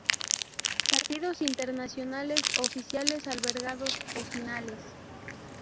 Partidos internacionales oficiales albergados o finales